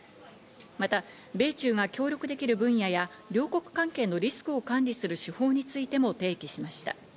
また米中が協力できる分野や両国関係のリスクを管理する手法についても提起しました。